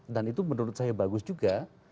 dan itu menurut saya bagus juga